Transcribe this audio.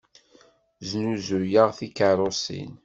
Znuzuyeɣ tikeṛṛusin.